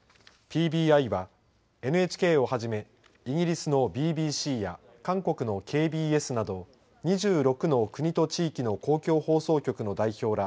ＰＢＩはＮＨＫをはじめイギリスのＢＢＣや韓国のＫＢＳなど２６の国と地域の公共放送局の代表ら